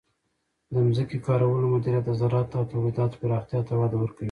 د ځمکې کارولو مدیریت د زراعت او تولیداتو پراختیا ته وده ورکوي.